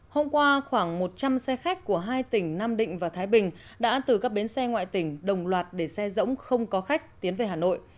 hôm qua khoảng một trăm linh xe khách của hai tỉnh nam định và thái bình đã từ các bến xe ngoại tỉnh đồng loạt để xe rỗng không có khách tiến về hà nội